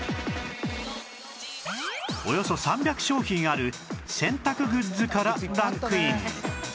およそ３００商品ある洗濯グッズからランクイン